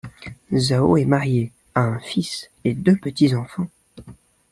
Zhao est marié, a un fils et deux petits-enfants.